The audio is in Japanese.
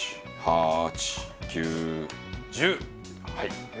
はい。